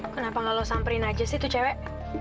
kenapa gak lo samperin aja sih tuh cewek